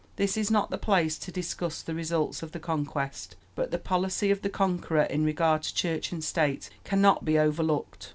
This is not the place to discuss the results of the Conquest, but the policy of the Conqueror in regard to Church and State cannot be overlooked.